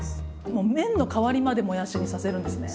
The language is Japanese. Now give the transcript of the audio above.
もう麺の代わりまでもやしにさせるんですね。